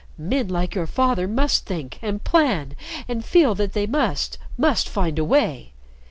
Men like your father must think, and plan, and feel that they must must find a way.